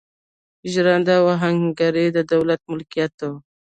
ژرنده او اهنګري د دوی ملکیت و.